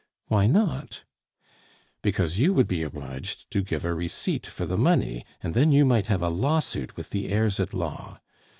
"Why not?" "Because you would be obliged to give a receipt for the money, and then you might have a lawsuit with the heirs at law.